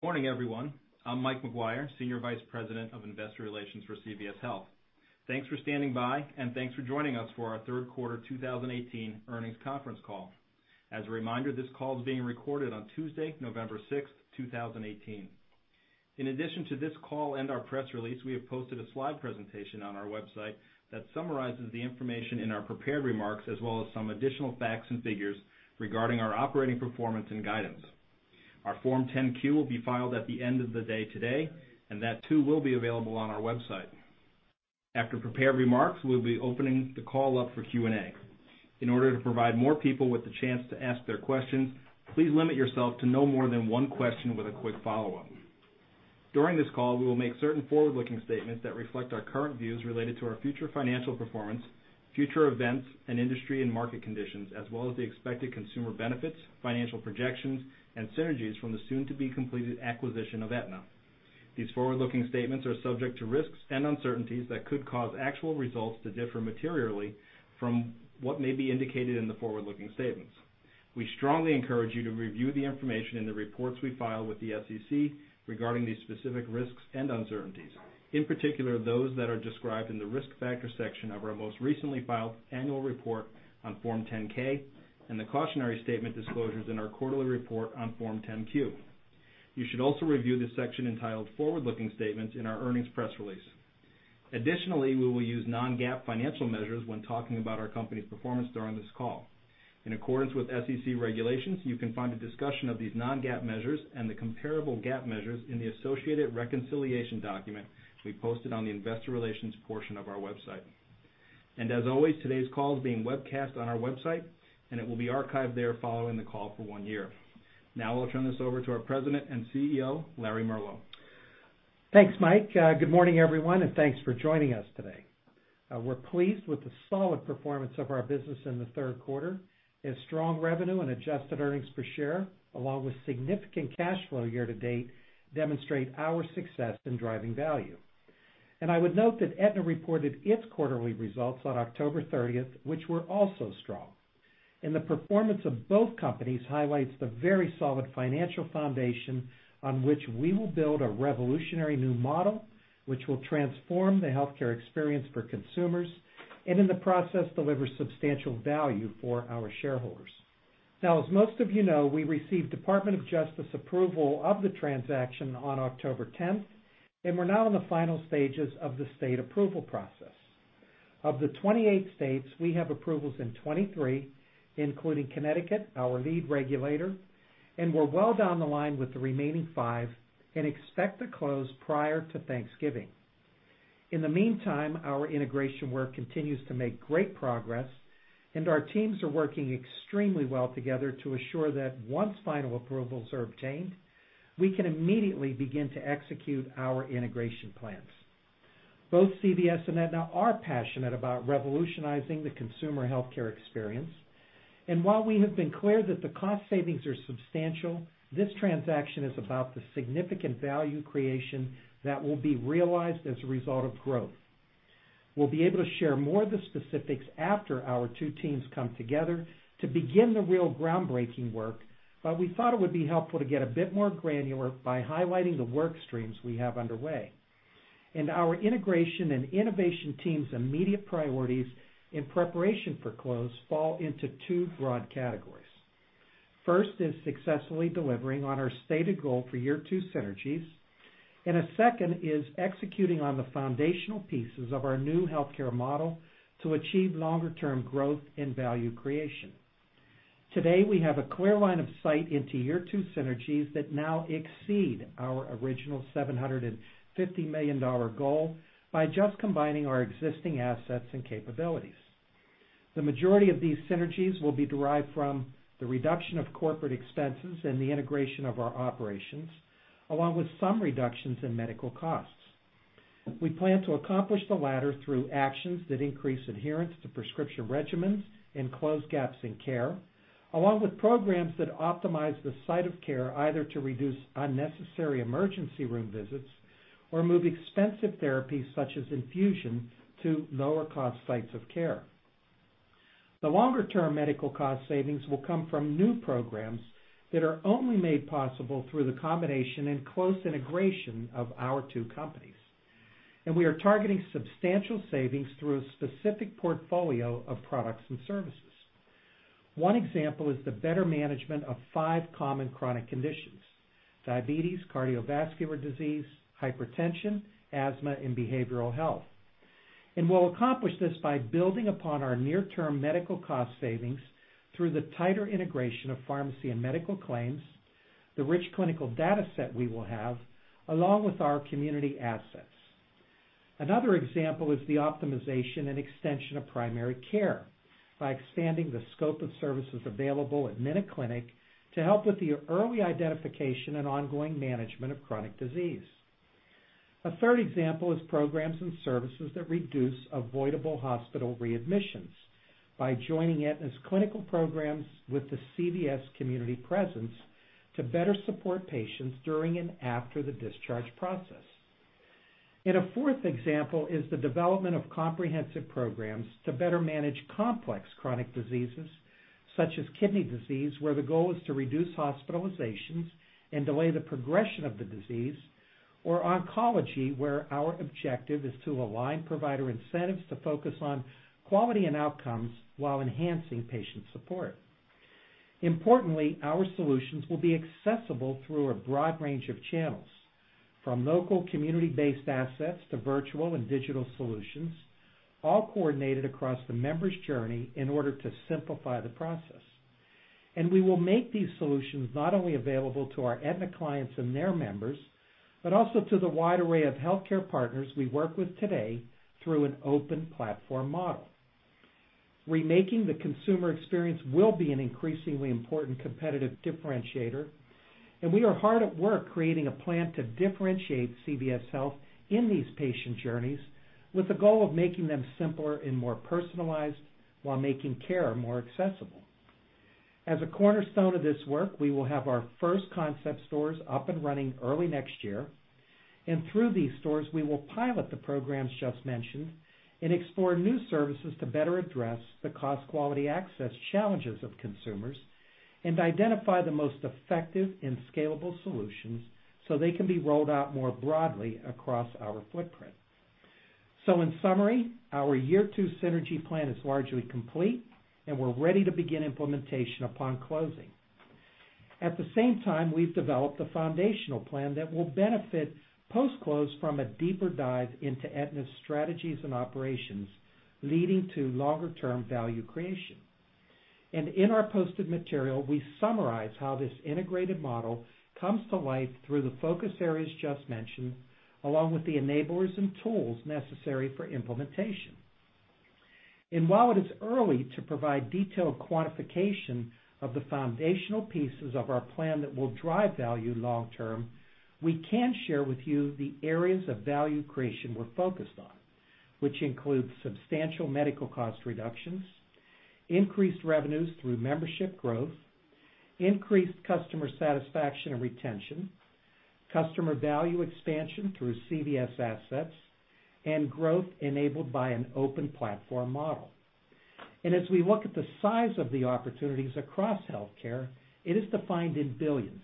Morning, everyone. I'm Michael McGuire, Senior Vice President of Investor Relations for CVS Health. Thanks for standing by, and thanks for joining us for our third quarter 2018 earnings conference call. As a reminder, this call is being recorded on Tuesday, November 6th, 2018. In addition to this call and our press release, we have posted a slide presentation on our website that summarizes the information in our prepared remarks, as well as some additional facts and figures regarding our operating performance and guidance. Our Form 10-Q will be filed at the end of the day today, and that too will be available on our website. After prepared remarks, we'll be opening the call up for Q&A. In order to provide more people with the chance to ask their questions, please limit yourself to no more than one question with a quick follow-up. During this call, we will make certain forward-looking statements that reflect our current views related to our future financial performance, future events, and industry and market conditions, as well as the expected consumer benefits, financial projections, and synergies from the soon-to-be-completed acquisition of Aetna. These forward-looking statements are subject to risks and uncertainties that could cause actual results to differ materially from what may be indicated in the forward-looking statements. We strongly encourage you to review the information in the reports we file with the SEC regarding these specific risks and uncertainties. In particular, those that are described in the Risk Factor section of our most recently filed annual report on Form 10-K, and the cautionary statement disclosures in our quarterly report on Form 10-Q. You should also review the section entitled Forward-Looking Statements in our earnings press release. Additionally, we will use non-GAAP financial measures when talking about our company's performance during this call. In accordance with SEC regulations, you can find a discussion of these non-GAAP measures and the comparable GAAP measures in the associated reconciliation document we posted on the investor relations portion of our website. As always, today's call is being webcast on our website, and it will be archived there following the call for one year. I'll turn this over to our President and CEO, Larry Merlo. Thanks, Mike. Good morning, everyone, and thanks for joining us today. We're pleased with the solid performance of our business in the third quarter as strong revenue and adjusted earnings per share, along with significant cash flow year to date, demonstrate our success in driving value. I would note that Aetna reported its quarterly results on October 30th, which were also strong, and the performance of both companies highlights the very solid financial foundation on which we will build a revolutionary new model, which will transform the healthcare experience for consumers, and in the process, deliver substantial value for our shareholders. As most of you know, we received Department of Justice approval of the transaction on October 10th, and we're now in the final stages of the state approval process. Of the 28 states, we have approvals in 23, including Connecticut, our lead regulator. We're well down the line with the remaining 5 and expect to close prior to Thanksgiving. In the meantime, our integration work continues to make great progress, and our teams are working extremely well together to assure that once final approvals are obtained, we can immediately begin to execute our integration plans. Both CVS and Aetna are passionate about revolutionizing the consumer healthcare experience. While we have been clear that the cost savings are substantial, this transaction is about the significant value creation that will be realized as a result of growth. We'll be able to share more of the specifics after our 2 teams come together to begin the real groundbreaking work, we thought it would be helpful to get a bit more granular by highlighting the work streams we have underway. Our integration and innovation teams' immediate priorities in preparation for close fall into 2 broad categories. First is successfully delivering on our stated goal for year 2 synergies. A second is executing on the foundational pieces of our new healthcare model to achieve longer-term growth and value creation. Today, we have a clear line of sight into year 2 synergies that now exceed our original $750 million goal by just combining our existing assets and capabilities. The majority of these synergies will be derived from the reduction of corporate expenses and the integration of our operations, along with some reductions in medical costs. We plan to accomplish the latter through actions that increase adherence to prescription regimens and close gaps in care, along with programs that optimize the site of care either to reduce unnecessary emergency room visits or move expensive therapies such as infusion to lower cost sites of care. The longer-term medical cost savings will come from new programs that are only made possible through the combination and close integration of our 2 companies. We are targeting substantial savings through a specific portfolio of products and services. One example is the better management of 5 common chronic conditions: diabetes, cardiovascular disease, hypertension, asthma, and behavioral health. We'll accomplish this by building upon our near-term medical cost savings through the tighter integration of pharmacy and medical claims, the rich clinical data set we will have, along with our community assets. Another example is the optimization and extension of primary care by expanding the scope of services available at MinuteClinic to help with the early identification and ongoing management of chronic disease. A third example is programs and services that reduce avoidable hospital readmissions by joining Aetna's clinical programs with the CVS community presence to better support patients during and after the discharge process. A fourth example is the development of comprehensive programs to better manage complex chronic diseases such as kidney disease, where the goal is to reduce hospitalizations and delay the progression of the disease, or oncology, where our objective is to align provider incentives to focus on quality and outcomes while enhancing patient support. Importantly, our solutions will be accessible through a broad range of channels, from local community-based assets to virtual and digital solutions, all coordinated across the member's journey in order to simplify the process. We will make these solutions not only available to our Aetna clients and their members, but also to the wide array of healthcare partners we work with today through an open platform model. Remaking the consumer experience will be an increasingly important competitive differentiator, and we are hard at work creating a plan to differentiate CVS Health in these patient journeys with the goal of making them simpler and more personalized while making care more accessible. As a cornerstone of this work, we will have our first concept stores up and running early next year. Through these stores, we will pilot the programs just mentioned and explore new services to better address the cost quality access challenges of consumers and identify the most effective and scalable solutions so they can be rolled out more broadly across our footprint. In summary, our year two synergy plan is largely complete, and we're ready to begin implementation upon closing. At the same time, we've developed a foundational plan that will benefit post-close from a deeper dive into Aetna's strategies and operations, leading to longer-term value creation. In our posted material, we summarize how this integrated model comes to life through the focus areas just mentioned, along with the enablers and tools necessary for implementation. While it is early to provide detailed quantification of the foundational pieces of our plan that will drive value long term, we can share with you the areas of value creation we're focused on, which includes substantial medical cost reductions, increased revenues through membership growth, increased customer satisfaction and retention, customer value expansion through CVS assets, and growth enabled by an open platform model. As we look at the size of the opportunities across healthcare, it is defined in billions,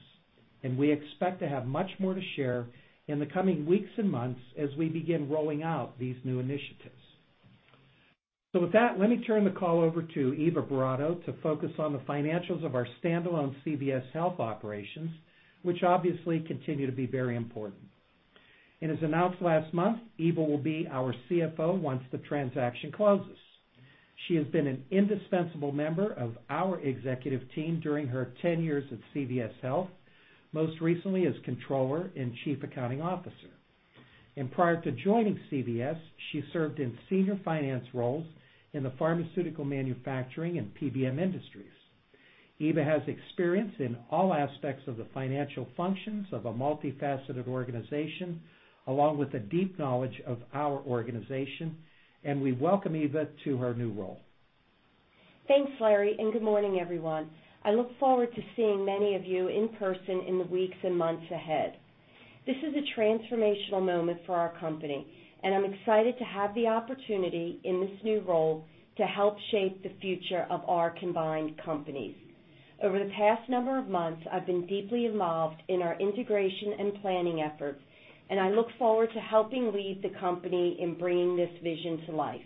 and we expect to have much more to share in the coming weeks and months as we begin rolling out these new initiatives. With that, let me turn the call over to Eva Boratto to focus on the financials of our standalone CVS Health operations, which obviously continue to be very important. As announced last month, Eva will be our CFO once the transaction closes. She has been an indispensable member of our executive team during her 10 years at CVS Health, most recently as controller and chief accounting officer. Prior to joining CVS, she served in senior finance roles in the pharmaceutical manufacturing and PBM industries. Eva has experience in all aspects of the financial functions of a multifaceted organization, along with a deep knowledge of our organization. We welcome Eva to her new role. Thanks, Larry, and good morning, everyone. I look forward to seeing many of you in person in the weeks and months ahead. This is a transformational moment for our company, and I'm excited to have the opportunity in this new role to help shape the future of our combined companies. Over the past number of months, I've been deeply involved in our integration and planning efforts, and I look forward to helping lead the company in bringing this vision to life.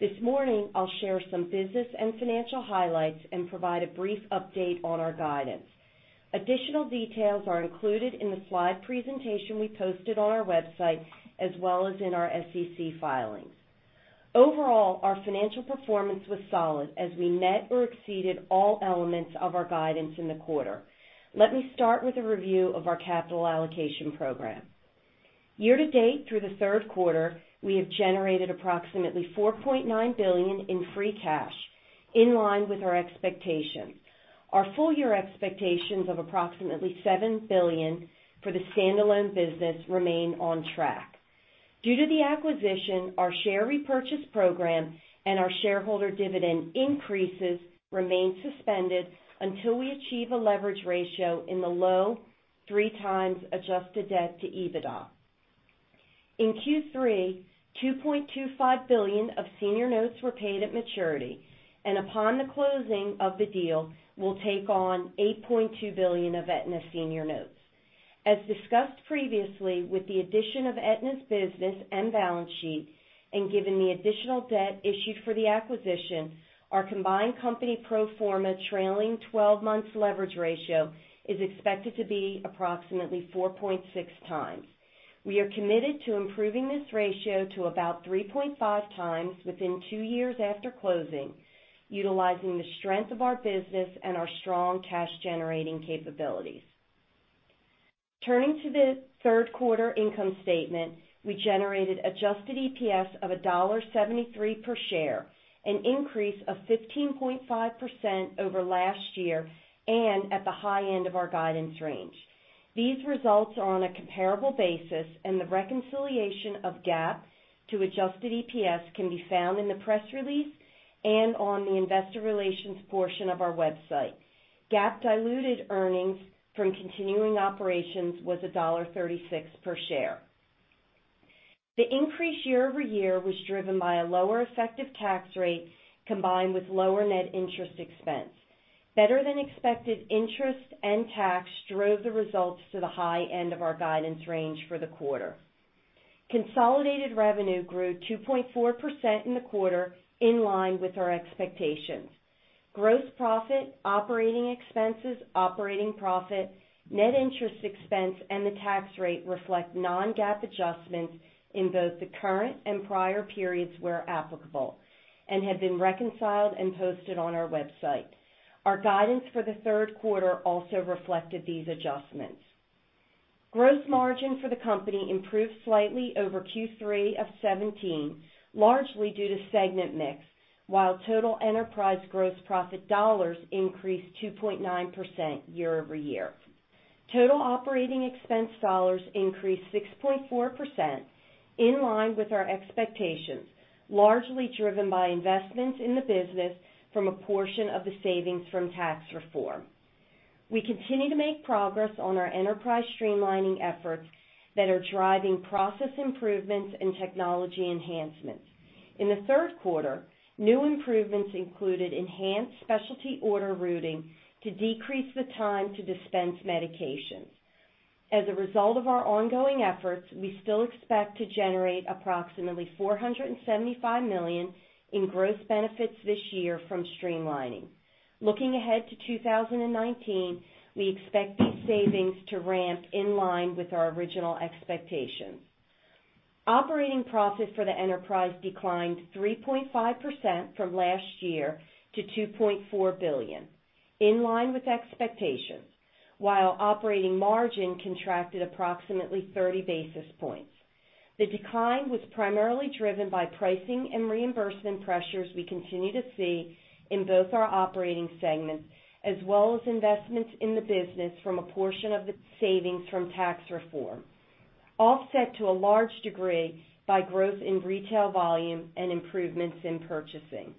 This morning, I'll share some business and financial highlights and provide a brief update on our guidance. Additional details are included in the slide presentation we posted on our website, as well as in our SEC filings. Overall, our financial performance was solid as we met or exceeded all elements of our guidance in the quarter. Let me start with a review of our capital allocation program. Year to date through the third quarter, we have generated approximately $4.9 billion in free cash, in line with our expectations. Our full year expectations of approximately $7 billion for the standalone business remain on track. Due to the acquisition, our share repurchase program and our shareholder dividend increases remain suspended until we achieve a leverage ratio in the low three times adjusted debt to EBITDA. In Q3, $2.25 billion of senior notes were paid at maturity, and upon the closing of the deal, will take on $8.2 billion of Aetna senior notes. As discussed previously, with the addition of Aetna's business and balance sheet, and given the additional debt issued for the acquisition, our combined company pro forma trailing 12 months leverage ratio is expected to be approximately 4.6 times. We are committed to improving this ratio to about 3.5 times within two years after closing, utilizing the strength of our business and our strong cash-generating capabilities. Turning to the third quarter income statement, we generated adjusted EPS of $1.73 per share, an increase of 15.5% over last year and at the high end of our guidance range. These results are on a comparable basis, and the reconciliation of GAAP to adjusted EPS can be found in the press release and on the investor relations portion of our website. GAAP diluted earnings from continuing operations was $1.36 per share. The increase year-over-year was driven by a lower effective tax rate combined with lower net interest expense. Better than expected interest and tax drove the results to the high end of our guidance range for the quarter. Consolidated revenue grew 2.4% in the quarter, in line with our expectations. Gross profit, operating expenses, operating profit, net interest expense, and the tax rate reflect non-GAAP adjustments in both the current and prior periods where applicable, and have been reconciled and posted on our website. Our guidance for the third quarter also reflected these adjustments. Gross margin for the company improved slightly over Q3 of '17, largely due to segment mix, while total enterprise gross profit dollars increased 2.9% year-over-year. Total operating expense dollars increased 6.4%, in line with our expectations, largely driven by investments in the business from a portion of the savings from tax reform. We continue to make progress on our enterprise streamlining efforts that are driving process improvements and technology enhancements. In the third quarter, new improvements included enhanced specialty order routing to decrease the time to dispense medications. As a result of our ongoing efforts, we still expect to generate approximately $475 million in gross benefits this year from streamlining. Looking ahead to 2019, we expect these savings to ramp in line with our original expectations. Operating profit for the enterprise declined 3.5% from last year to $2.4 billion, in line with expectations, while operating margin contracted approximately 30 basis points. The decline was primarily driven by pricing and reimbursement pressures we continue to see in both our operating segments, as well as investments in the business from a portion of the savings from tax reform, offset to a large degree by growth in retail volume and improvements in purchasing.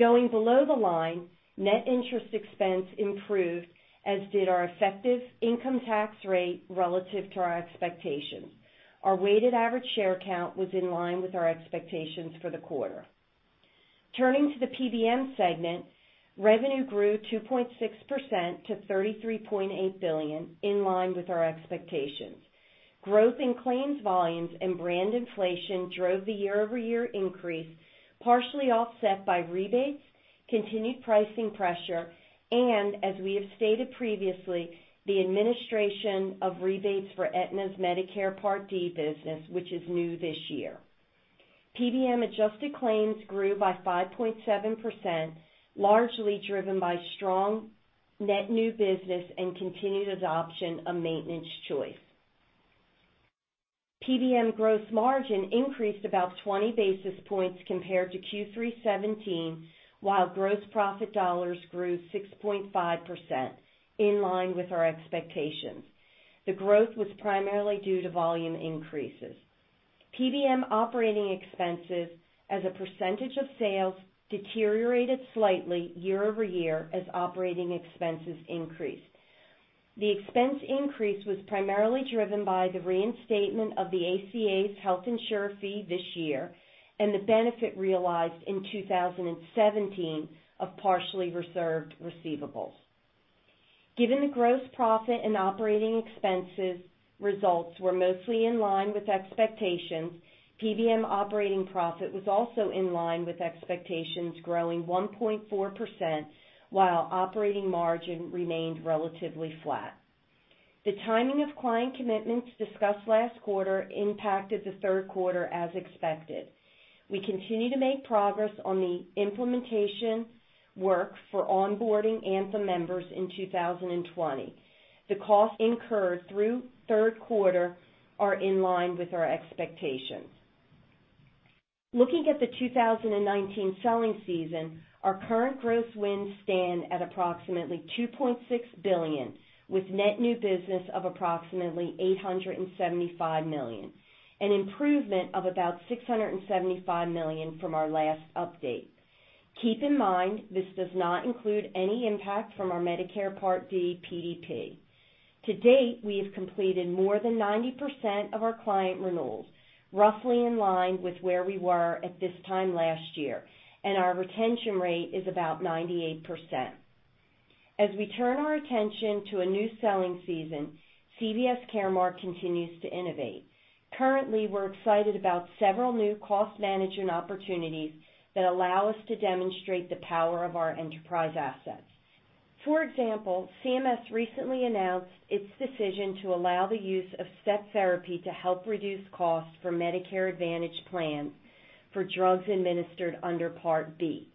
Going below the line, net interest expense improved, as did our effective income tax rate relative to our expectations. Our weighted average share count was in line with our expectations for the quarter. Turning to the PBM segment, revenue grew 2.6% to $33.8 billion, in line with our expectations. Growth in claims volumes and brand inflation drove the year-over-year increase, partially offset by rebates, continued pricing pressure, and, as we have stated previously, the administration of rebates for Aetna's Medicare Part D business, which is new this year. PBM adjusted claims grew by 5.7%, largely driven by strong net new business and continued adoption of Maintenance Choice. PBM gross margin increased about 20 basis points compared to Q3 2017, while gross profit dollars grew 6.5%, in line with our expectations. The growth was primarily due to volume increases. PBM operating expenses as a percentage of sales deteriorated slightly year over year as operating expenses increased. The expense increase was primarily driven by the reinstatement of the ACA's health insurer fee this year, and the benefit realized in 2017 of partially reserved receivables. Given the gross profit and operating expenses results were mostly in line with expectations, PBM operating profit was also in line with expectations, growing 1.4%, while operating margin remained relatively flat. The timing of client commitments discussed last quarter impacted the third quarter as expected. We continue to make progress on the implementation work for onboarding Anthem members in 2020. The costs incurred through third quarter are in line with our expectations. Looking at the 2019 selling season, our current gross wins stand at approximately $2.6 billion, with net new business of approximately $875 million, an improvement of about $675 million from our last update. Keep in mind, this does not include any impact from our Medicare Part D PDP. To date, we have completed more than 90% of our client renewals, roughly in line with where we were at this time last year, and our retention rate is about 98%. We turn our attention to a new selling season, CVS Caremark continues to innovate. Currently, we're excited about several new cost management opportunities that allow us to demonstrate the power of our enterprise assets. CMS recently announced its decision to allow the use of step therapy to help reduce costs for Medicare Advantage plans for drugs administered under Part B.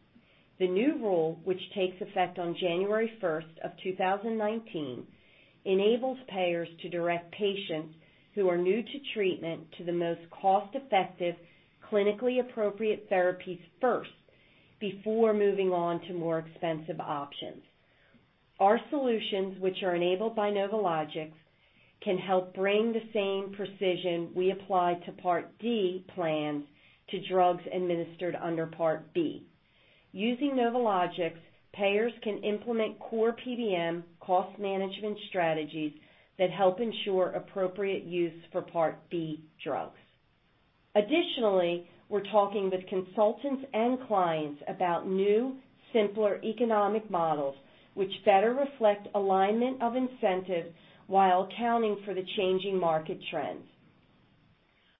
The new rule, which takes effect on January 1st of 2019, enables payers to direct patients who are new to treatment to the most cost-effective, clinically appropriate therapies first, before moving on to more expensive options. Our solutions, which are enabled by NovoLogix can help bring the same precision we apply to Part D plans to drugs administered under Part B. Using NovoLogix, payers can implement core PBM cost management strategies that help ensure appropriate use for Part B drugs. Additionally, we're talking with consultants and clients about new, simpler economic models, which better reflect alignment of incentives while accounting for the changing market trends.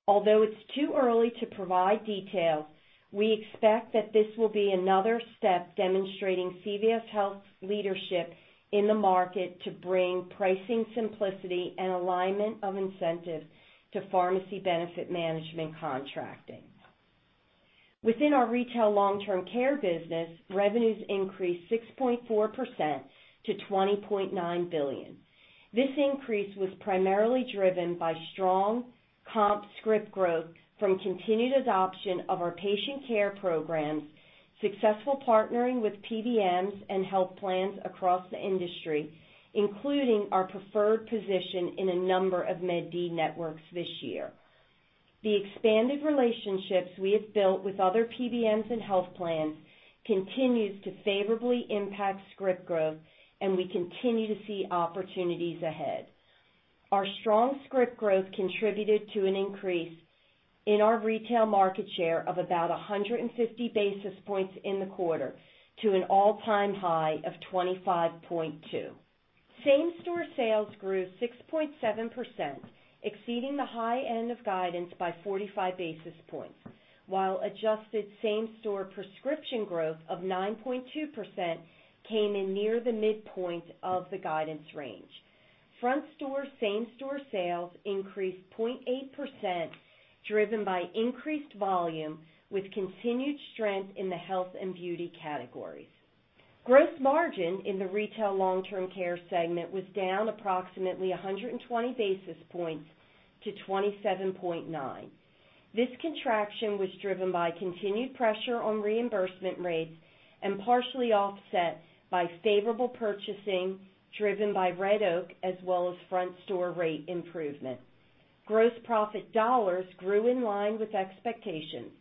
Although it's too early to provide details, we expect that this will be another step demonstrating CVS Health's leadership in the market to bring pricing simplicity and alignment of incentives to pharmacy benefit management contracting. Within our retail long-term care business, revenues increased 6.4% to $20.9 billion. This increase was primarily driven by strong comp script growth from continued adoption of our patient care programs, successful partnering with PBMs and health plans across the industry, including our preferred position in a number of Part D networks this year. The expanded relationships we have built with other PBMs and health plans continues to favorably impact script growth, and we continue to see opportunities ahead. Our strong script growth contributed to an increase in our retail market share of about 150 basis points in the quarter to an all-time high of 25.2%. Same-store sales grew 6.7%, exceeding the high end of guidance by 45 basis points, while adjusted same-store prescription growth of 9.2% came in near the midpoint of the guidance range. Front-store same-store sales increased 0.8%, driven by increased volume with continued strength in the health and beauty categories. Gross margin in the retail long-term care segment was down approximately 120 basis points to 27.9%. This contraction was driven by continued pressure on reimbursement rates and partially offset by favorable purchasing driven by Red Oak as well as front-store rate improvement. Gross profit dollars grew in line with expectations,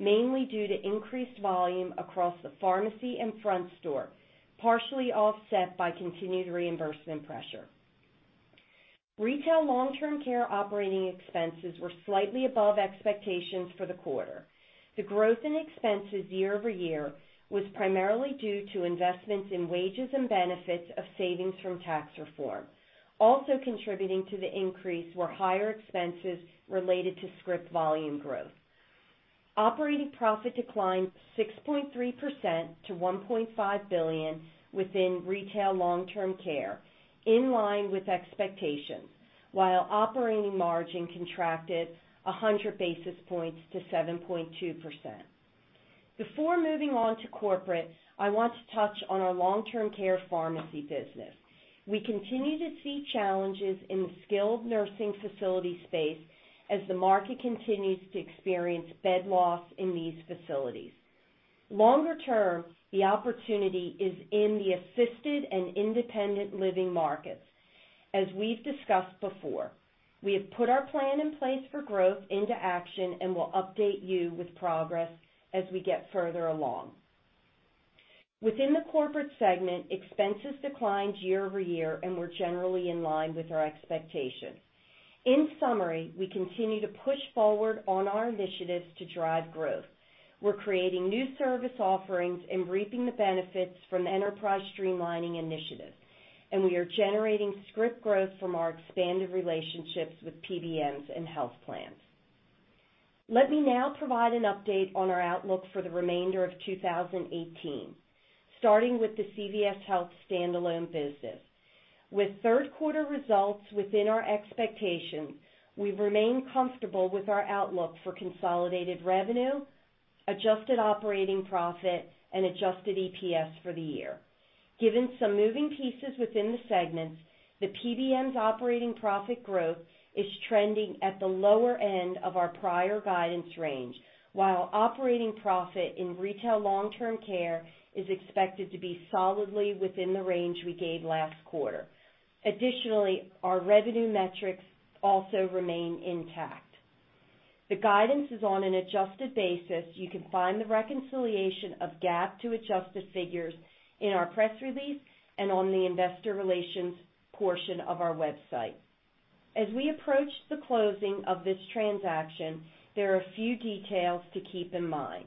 mainly due to increased volume across the pharmacy and front store, partially offset by continued reimbursement pressure. Retail long-term care operating expenses were slightly above expectations for the quarter. The growth in expenses year-over-year was primarily due to investments in wages and benefits of savings from tax reform. Also contributing to the increase were higher expenses related to script volume growth. Operating profit declined 6.3% to $1.5 billion within retail long-term care, in line with expectations, while operating margin contracted 100 basis points to 7.2%. Before moving on to corporate, I want to touch on our long-term care pharmacy business. We continue to see challenges in the skilled nursing facility space as the market continues to experience bed loss in these facilities. Longer term, the opportunity is in the assisted and independent living markets, as we've discussed before. We have put our plan in place for growth into action and will update you with progress as we get further along. Within the corporate segment, expenses declined year-over-year and were generally in line with our expectations. In summary, we continue to push forward on our initiatives to drive growth. We're creating new service offerings and reaping the benefits from enterprise streamlining initiatives. We are generating script growth from our expanded relationships with PBMs and health plans. Let me now provide an update on our outlook for the remainder of 2018, starting with the CVS Health standalone business. With third quarter results within our expectations, we've remained comfortable with our outlook for consolidated revenue, adjusted operating profit, and adjusted EPS for the year. Given some moving pieces within the segments, the PBM's operating profit growth is trending at the lower end of our prior guidance range, while operating profit in retail long-term care is expected to be solidly within the range we gave last quarter. Additionally, our revenue metrics also remain intact. The guidance is on an adjusted basis. You can find the reconciliation of GAAP to adjusted figures in our press release and on the investor relations portion of our website. As we approach the closing of this transaction, there are a few details to keep in mind.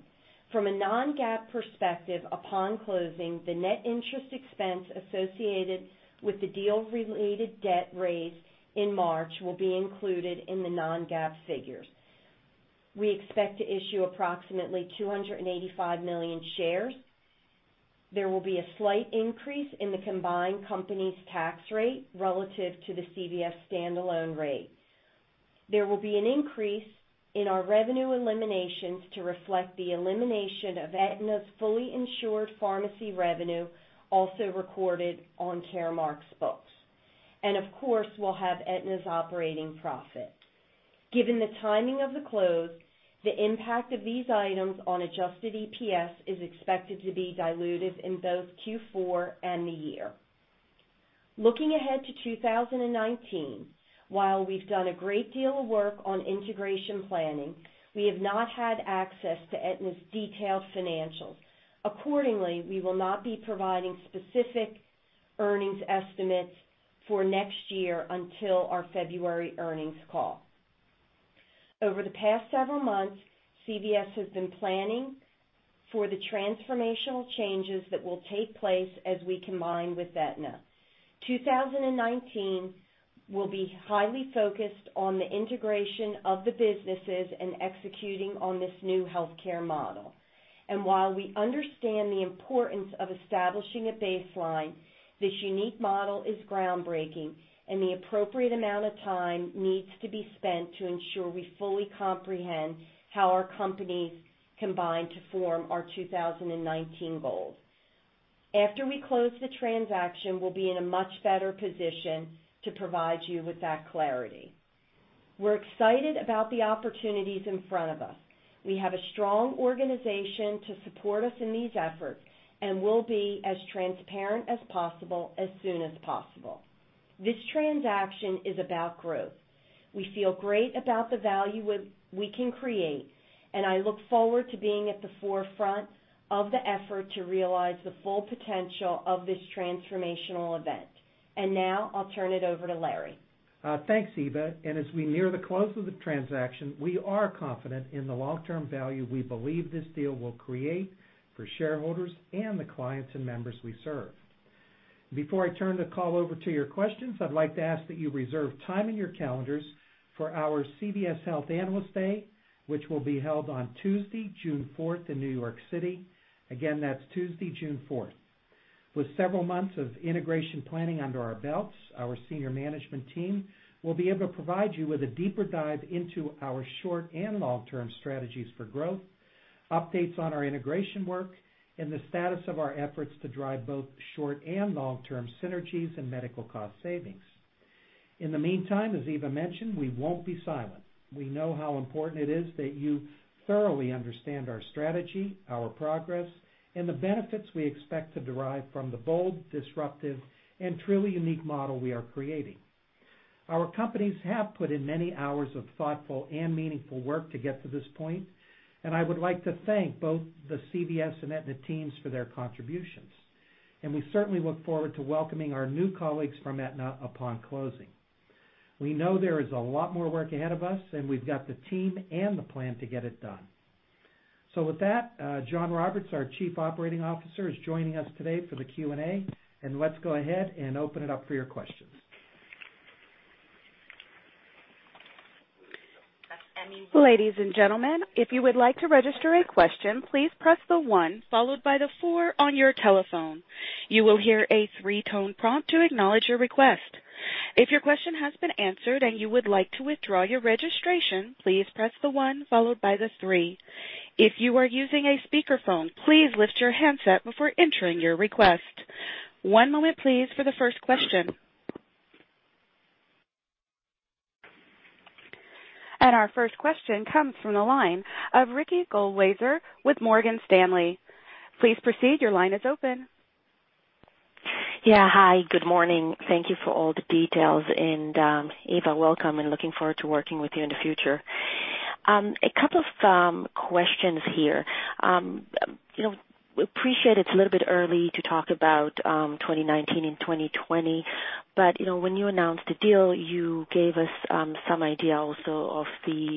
From a non-GAAP perspective, upon closing, the net interest expense associated with the deal-related debt raised in March will be included in the non-GAAP figures. We expect to issue approximately 285 million shares. There will be a slight increase in the combined company's tax rate relative to the CVS standalone rate. There will be an increase in our revenue eliminations to reflect the elimination of Aetna's fully insured pharmacy revenue, also recorded on Caremark's books. Of course, we'll have Aetna's operating profit. Given the timing of the close, the impact of these items on adjusted EPS is expected to be dilutive in both Q4 and the year. Looking ahead to 2019, while we've done a great deal of work on integration planning, we have not had access to Aetna's detailed financials. Accordingly, we will not be providing specific earnings estimates for next year until our February earnings call. Over the past several months, CVS has been planning for the transformational changes that will take place as we combine with Aetna. 2019 will be highly focused on the integration of the businesses and executing on this new healthcare model. While we understand the importance of establishing a baseline, this unique model is groundbreaking, and the appropriate amount of time needs to be spent to ensure we fully comprehend how our companies combine to form our 2019 goals. After we close the transaction, we'll be in a much better position to provide you with that clarity. We're excited about the opportunities in front of us. We have a strong organization to support us in these efforts, and we'll be as transparent as possible, as soon as possible. This transaction is about growth. We feel great about the value we can create, and I look forward to being at the forefront of the effort to realize the full potential of this transformational event. Now I'll turn it over to Larry. Thanks, Eva, As we near the close of the transaction, we are confident in the long-term value we believe this deal will create for shareholders and the clients and members we serve. Before I turn the call over to your questions, I'd like to ask that you reserve time in your calendars for our CVS Health Analyst Day, which will be held on Tuesday, June 4th in New York City. Again, that's Tuesday, June 4th. With several months of integration planning under our belts, our senior management team will be able to provide you with a deeper dive into our short and long-term strategies for growth, updates on our integration work, and the status of our efforts to drive both short and long-term synergies and medical cost savings. In the meantime, as Eva mentioned, we won't be silent. We know how important it is that you thoroughly understand our strategy, our progress, and the benefits we expect to derive from the bold, disruptive, and truly unique model we are creating. Our companies have put in many hours of thoughtful and meaningful work to get to this point, I would like to thank both the CVS and Aetna teams for their contributions. We certainly look forward to welcoming our new colleagues from Aetna upon closing. We know there is a lot more work ahead of us, we've got the team and the plan to get it done. With that, Jonathan Roberts, our Chief Operating Officer, is joining us today for the Q&A, let's go ahead and open it up for your questions. Ladies and gentlemen, if you would like to register a question, please press the one followed by the four on your telephone. You will hear a three-tone prompt to acknowledge your request. If your question has been answered and you would like to withdraw your registration, please press the one followed by the three. If you are using a speakerphone, please lift your handset before entering your request. One moment, please, for the first question. Our first question comes from the line of Ricky Goldwasser with Morgan Stanley. Please proceed. Your line is open. Yeah. Hi, good morning. Thank you for all the details. Eva, welcome, looking forward to working with you in the future. A couple of questions here. We appreciate it's a little bit early to talk about 2019 and 2020, when you announced the deal, you gave us some idea also of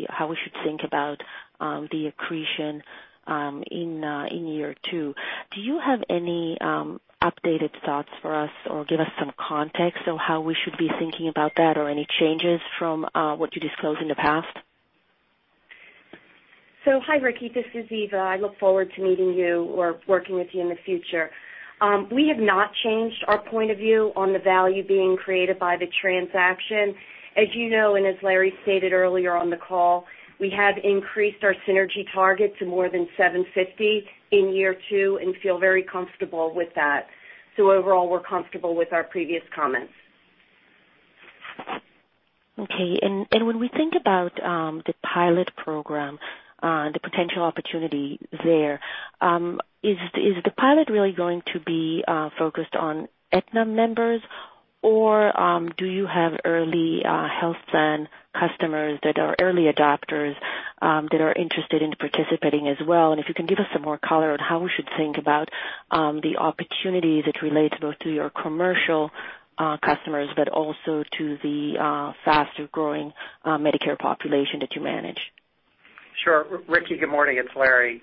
how we should think about the accretion in year two. Do you have any updated thoughts for us, or give us some context on how we should be thinking about that, or any changes from what you disclosed in the past? Hi, Ricky. This is Eva. I look forward to meeting you or working with you in the future. We have not changed our point of view on the value being created by the transaction. As you know, as Larry stated earlier on the call, we have increased our synergy target to more than 750 in year two and feel very comfortable with that. Overall, we're comfortable with our previous comments. When we think about the pilot program, the potential opportunity there, is the pilot really going to be focused on Aetna members, or do you have early health plan customers that are early adopters that are interested in participating as well? If you can give us some more color on how we should think about the opportunities that relate both to your commercial customers, but also to the faster-growing Medicare population that you manage. Sure. Ricky, good morning. It's Larry.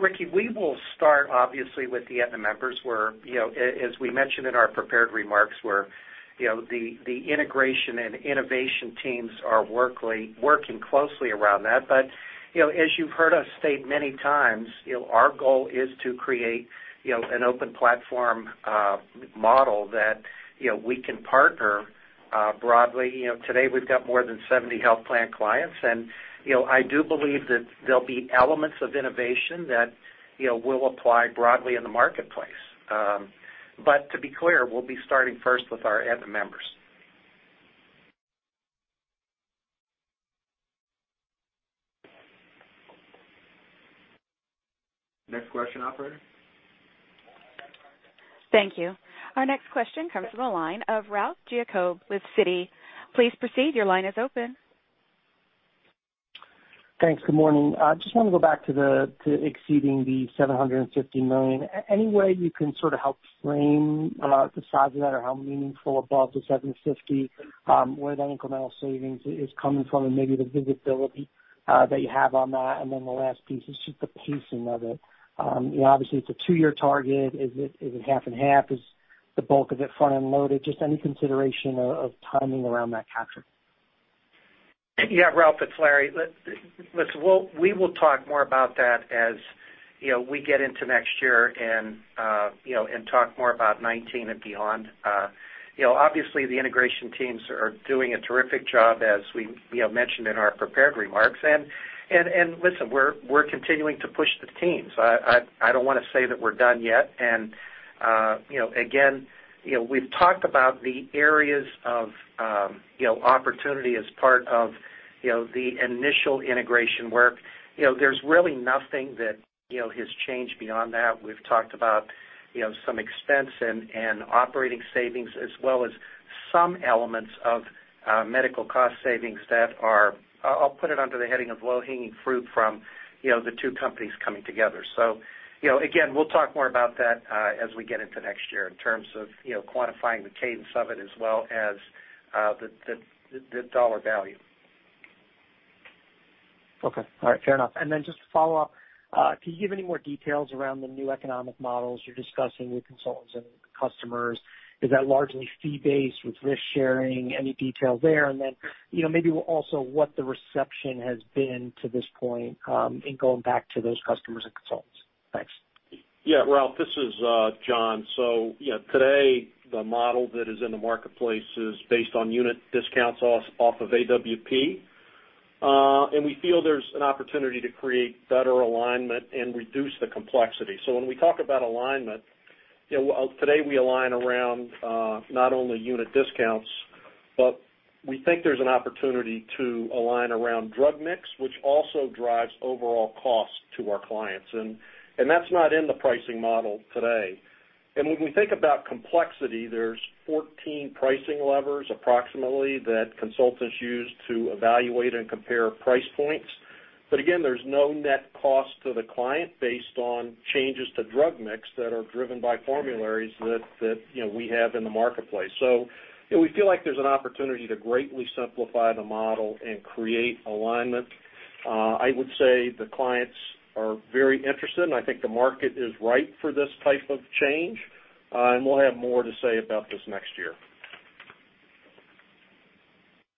Ricky, we will start, obviously, with the Aetna members, where, as we mentioned in our prepared remarks, the integration and innovation teams are working closely around that. As you've heard us state many times, our goal is to create an open platform model that we can partner broadly. Today, we've got more than 70 health plan clients, I do believe that there'll be elements of innovation that will apply broadly in the marketplace. But to be clear, we'll be starting first with our Aetna members. Next question, operator. Thank you. Our next question comes from the line of Ralph Giacobbe with Citigroup. Please proceed. Your line is open. Thanks. Good morning. I just want to go back to exceeding the $750 million. Any way you can sort of help frame the size of that or how meaningful above the $750 million, where that incremental savings is coming from, and maybe the visibility that you have on that? Then the last piece is just the pacing of it. Obviously, it's a two-year target. Is it half and half? Is the bulk of it front-end loaded? Just any consideration of timing around that capture. Yeah, Ralph, it's Larry. Listen, we will talk more about that as we get into next year and talk more about 2019 and beyond. Obviously, the integration teams are doing a terrific job as we mentioned in our prepared remarks. Listen, we're continuing to push the teams. I don't want to say that we're done yet. Again, we've talked about the areas of opportunity as part of the initial integration work. There's really nothing that has changed beyond that. We've talked about some expense and operating savings as well as some elements of medical cost savings that are, I'll put it under the heading of low-hanging fruit from the two companies coming together. Again, we'll talk more about that as we get into next year in terms of quantifying the cadence of it as well as the dollar value. Okay. All right, fair enough. Then just to follow up, can you give any more details around the new economic models you're discussing with consultants and customers? Is that largely fee-based with risk sharing? Any detail there, and then, maybe also what the reception has been to this point, in going back to those customers and consultants. Thanks. Ralph, this is Jon. Today, the model that is in the marketplace is based on unit discounts off of AWP. We feel there's an opportunity to create better alignment and reduce the complexity. When we talk about alignment, today we align around not only unit discounts, but we think there's an opportunity to align around drug mix, which also drives overall cost to our clients. That's not in the pricing model today. When we think about complexity, there are 14 pricing levers, approximately, that consultants use to evaluate and compare price points. Again, there's no net cost to the client based on changes to drug mix that are driven by formularies that we have in the marketplace. We feel like there's an opportunity to greatly simplify the model and create alignment. I would say the clients are very interested, and I think the market is ripe for this type of change. We'll have more to say about this next year.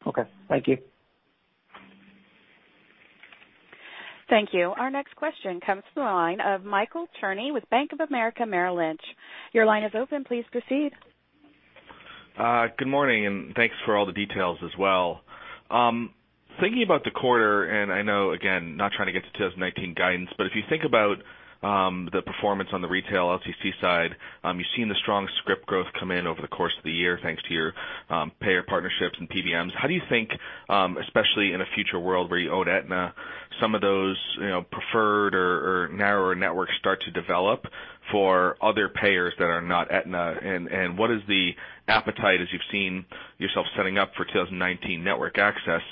Okay. Thank you. Thank you. Our next question comes from the line of Michael Cherny with Bank of America Merrill Lynch. Your line is open. Please proceed. Good morning. Thanks for all the details as well. Thinking about the quarter, I know, again, not trying to get to 2019 guidance, if you think about the performance on the retail LTC side, you've seen the strong script growth come in over the course of the year, thanks to your payer partnerships and PBMs. How do you think, especially in a future world where you own Aetna, some of those preferred or narrower networks start to develop for other payers that are not Aetna, what is the appetite as you've seen yourself setting up for 2019 network access,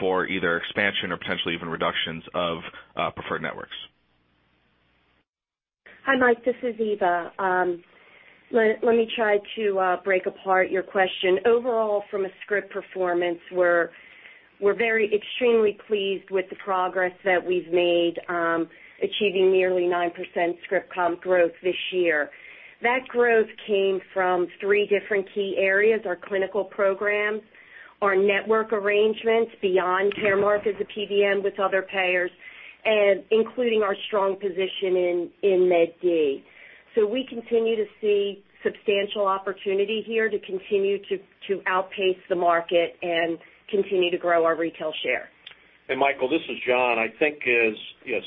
for either expansion or potentially even reductions of preferred networks? Hi, Michael. This is Eva. Let me try to break apart your question. Overall, from a script performance, we're extremely pleased with the progress that we've made, achieving nearly 9% script comp growth this year. That growth came from three different key areas, our clinical programs, our network arrangements beyond Caremark as a PBM with other payers, including our strong position in Med D. We continue to see substantial opportunity here to continue to outpace the market and continue to grow our retail share. Michael, this is Jonathan. I think as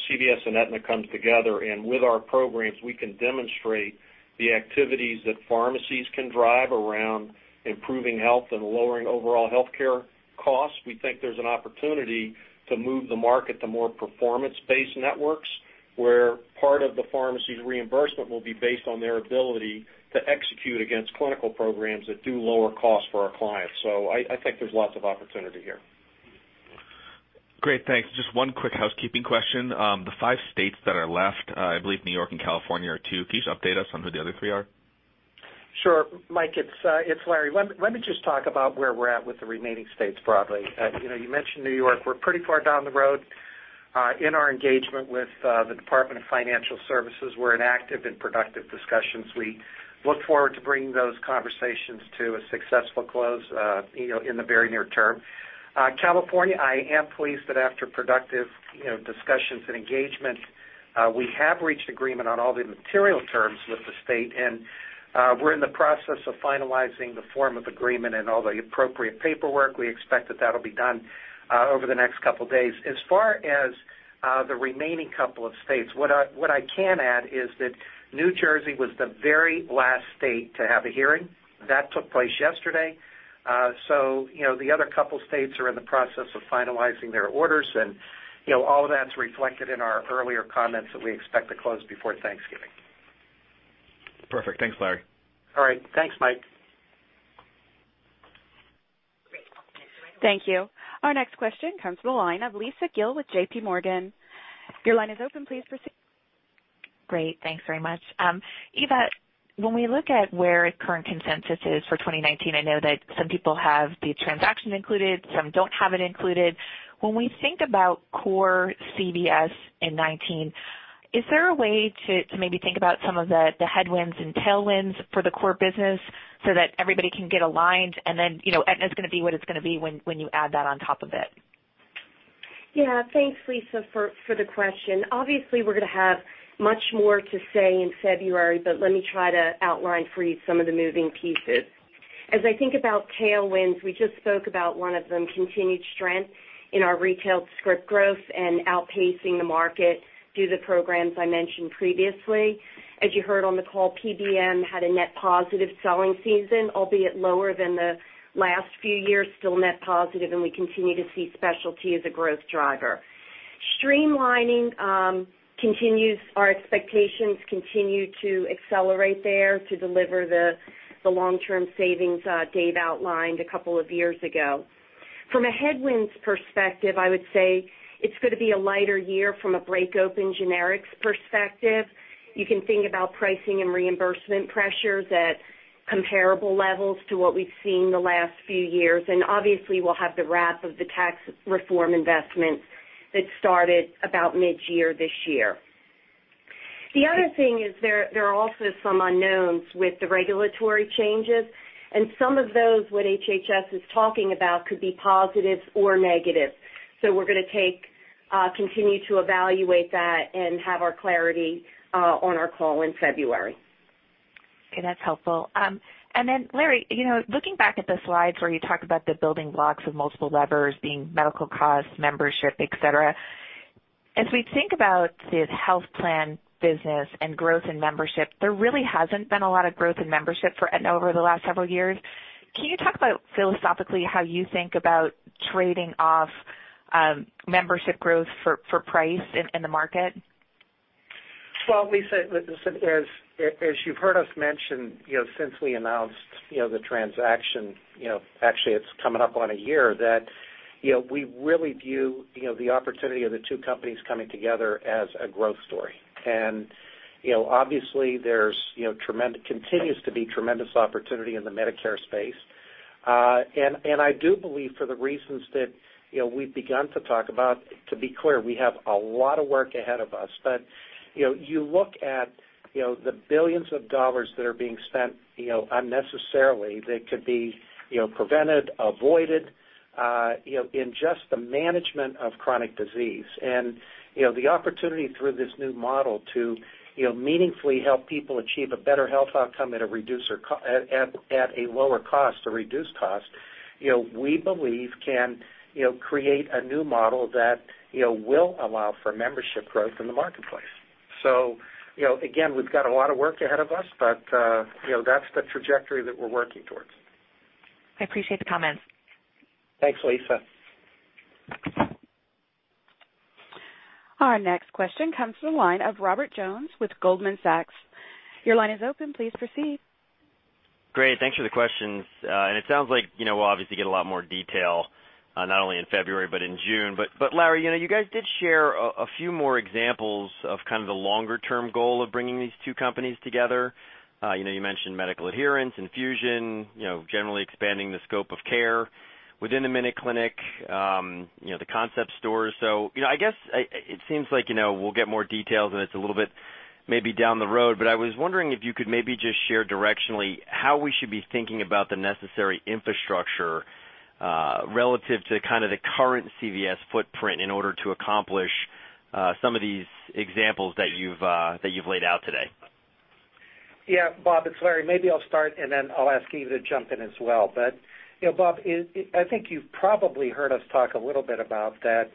CVS and Aetna comes together and with our programs, we can demonstrate the activities that pharmacies can drive around improving health and lowering overall healthcare costs. We think there's an opportunity to move the market to more performance-based networks, where part of the pharmacy's reimbursement will be based on their ability to execute against clinical programs that do lower costs for our clients. I think there's lots of opportunity here. Great. Thanks. Just one quick housekeeping question. The five states that are left, I believe New York and California are two. Can you just update us on who the other three are? Sure. Mike, it's Larry. Let me just talk about where we're at with the remaining states broadly. You mentioned New York. We're pretty far down the road in our engagement with the Department of Financial Services. We're in active and productive discussions. We look forward to bringing those conversations to a successful close in the very near term. California, I am pleased that after productive discussions and engagement, we have reached agreement on all the material terms with the state, and we're in the process of finalizing the form of agreement and all the appropriate paperwork. We expect that that'll be done over the next couple of days. As far as the remaining couple of states, what I can add is that New Jersey was the very last state to have a hearing. That took place yesterday. The other couple states are in the process of finalizing their orders, and all of that's reflected in our earlier comments that we expect to close before Thanksgiving. Perfect. Thanks, Larry. All right. Thanks, Mike. Great. Thank you. Our next question comes from the line of Lisa Gill with JPMorgan. Your line is open. Please proceed. Great. Thanks very much. Eva, when we look at where current consensus is for 2019, I know that some people have the transaction included, some don't have it included. When we think about core CVS in 2019, is there a way to maybe think about some of the headwinds and tailwinds for the core business so that everybody can get aligned, and then Aetna's going to be what it's going to be when you add that on top of it? Yeah. Thanks, Lisa, for the question. Obviously, we're going to have much more to say in February, but let me try to outline for you some of the moving pieces. As I think about tailwinds, we just spoke about one of them, continued strength in our retail script growth and outpacing the market through the programs I mentioned previously. As you heard on the call, PBM had a net positive selling season, albeit lower than the last few years, still net positive, and we continue to see specialty as a growth driver. Streamlining continues. Our expectations continue to accelerate there to deliver the long-term savings Dave outlined a couple of years ago. From a headwinds perspective, I would say it's going to be a lighter year from a break-open generics perspective. You can think about pricing and reimbursement pressures at comparable levels to what we've seen the last few years. Obviously, we'll have the wrap of the tax reform investments that started about mid-year this year. The other thing is there are also some unknowns with the regulatory changes, and some of those, what HHS is talking about, could be positive or negative. We're going to continue to evaluate that and have our clarity on our call in February. Okay, that's helpful. Then Larry, looking back at the slides where you talk about the building blocks of multiple levers being medical costs, membership, et cetera, as we think about the health plan business and growth in membership, there really hasn't been a lot of growth in membership for Aetna over the last several years. Can you talk about philosophically how you think about trading off membership growth for price in the market? Well, Lisa, as you've heard us mention since we announced the transaction, actually, it's coming up on a year, that we really view the opportunity of the two companies coming together as a growth story. Obviously, there continues to be tremendous opportunity in the Medicare space. I do believe for the reasons that we've begun to talk about, to be clear, we have a lot of work ahead of us. You look at the billions of dollars that are being spent unnecessarily that could be prevented, avoided, in just the management of chronic disease. The opportunity through this new model to meaningfully help people achieve a better health outcome at a lower cost or reduced cost, we believe can create a new model that will allow for membership growth in the marketplace. Again, we've got a lot of work ahead of us, but that's the trajectory that we're working towards. I appreciate the comments. Thanks, Lisa. Our next question comes from the line of Robert Jones with Goldman Sachs. Your line is open. Please proceed. Great. Thanks for the questions. It sounds like we'll obviously get a lot more detail, not only in February, but in June. Larry, you guys did share a few more examples of kind of the longer-term goal of bringing these two companies together. You mentioned medical adherence, infusion, generally expanding the scope of care within the MinuteClinic, the concept stores. I guess it seems like we'll get more details, and it's a little bit maybe down the road, but I was wondering if you could maybe just share directionally how we should be thinking about the necessary infrastructure relative to kind of the current CVS footprint in order to accomplish some of these examples that you've laid out today. Yeah. Bob, it's Larry. Maybe I'll start, then I'll ask Eva to jump in as well. Bob, I think you've probably heard us talk a little bit about that.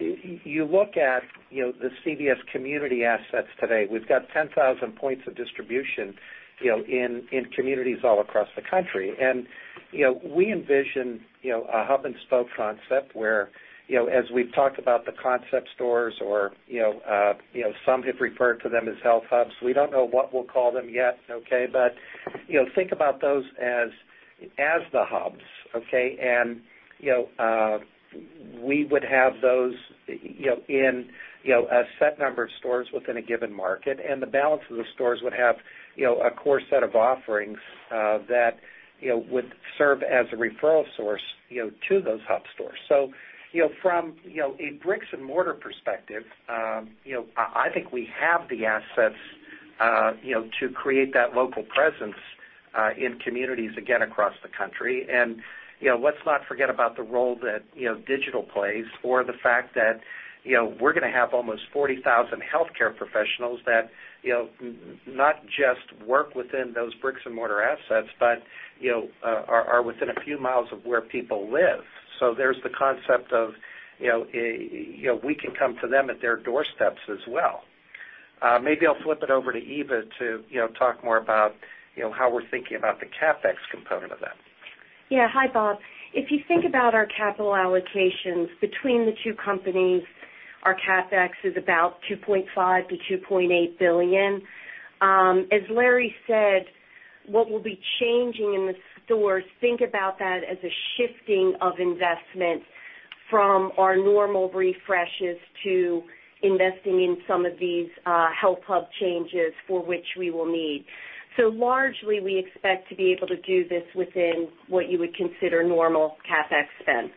You look at the CVS community assets today. We've got 10,000 points of distribution in communities all across the country. We envision a hub-and-spoke concept where, as we've talked about the concept stores or some have referred to them as health hubs. We don't know what we'll call them yet, okay? Think about those as the hubs, okay? We would have those in a set number of stores within a given market, and the balance of the stores would have a core set of offerings that would serve as a referral source to those hub stores. From a bricks-and-mortar perspective, I think we have the assets to create that local presence in communities, again, across the country. Let's not forget about the role that digital plays or the fact that we're going to have almost 40,000 healthcare professionals that not just work within those bricks-and-mortar assets, but are within a few miles of where people live. There's the concept of we can come to them at their doorsteps as well. Maybe I'll flip it over to Eva to talk more about how we're thinking about the CapEx component of that. Yeah. Hi, Bob. If you think about our capital allocations between the two companies, our CapEx is about $2.5 billion-$2.8 billion. As Larry said, what will be changing in the stores, think about that as a shifting of investment from our normal refreshes to investing in some of these health hub changes for which we will need. Largely, we expect to be able to do this within what you would consider normal CapEx spend.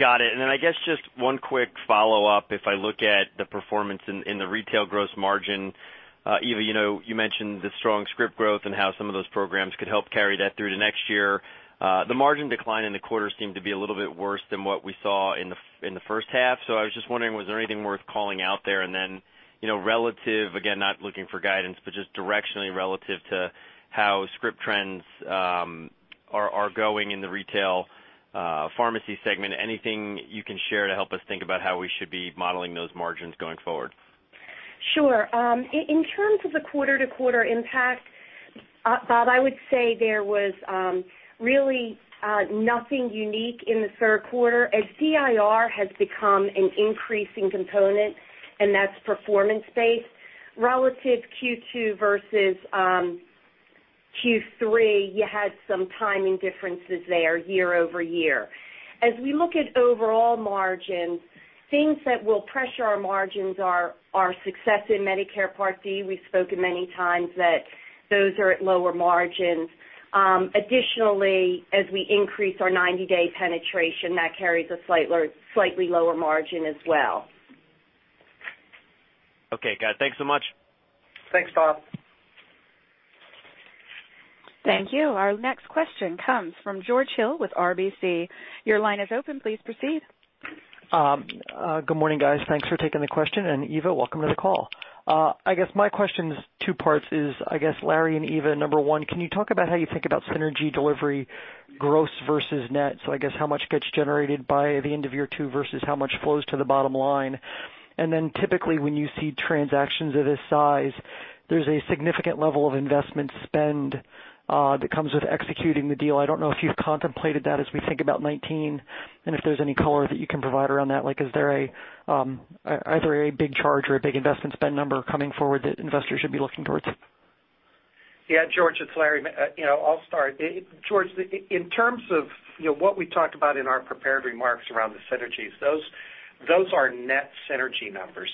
Got it. I guess just one quick follow-up. If I look at the performance in the retail gross margin, Eva, you mentioned the strong script growth and how some of those programs could help carry that through to next year. The margin decline in the quarter seemed to be a little bit worse than what we saw in the first half. I was just wondering, was there anything worth calling out there? Relative, again, not looking for guidance, but just directionally relative to how script trends are going in the retail pharmacy segment, anything you can share to help us think about how we should be modeling those margins going forward? Sure. In terms of the quarter-to-quarter impact, Bob, I would say there was really nothing unique in the third quarter. As DIR has become an increasing component, and that's performance-based, relative Q2 versus Q3, you had some timing differences there year-over-year. As we look at overall margins, things that will pressure our margins are success in Medicare Part D. We've spoken many times that those are at lower margins. Additionally, as we increase our 90-day penetration, that carries a slightly lower margin as well. Okay, got it. Thanks so much. Thanks, Bob. Thank you. Our next question comes from George Hill with RBC. Your line is open. Please proceed. Good morning, guys. Thanks for taking the question, and Eva, welcome to the call. I guess my question is two parts is, I guess, Larry and Eva, number 1, can you talk about how you think about synergy delivery, gross versus net? How much gets generated by the end of year two versus how much flows to the bottom line. Typically, when you see transactions of this size, there's a significant level of investment spend that comes with executing the deal. I don't know if you've contemplated that as we think about 2019, and if there's any color that you can provide around that. Is there either a big charge or a big investment spend number coming forward that investors should be looking towards? Yeah, George, it's Larry. I'll start. George, in terms of what we talked about in our prepared remarks around the synergies, those are net synergy numbers,